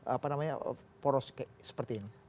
apa namanya poros seperti ini